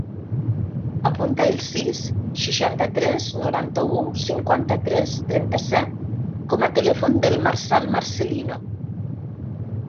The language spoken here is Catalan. Apunta el sis, seixanta-tres, noranta-u, cinquanta-tres, trenta-set com a telèfon del Marçal Marcelino.